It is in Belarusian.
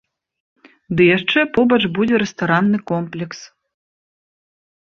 Ды яшчэ побач будзе рэстаранны комплекс.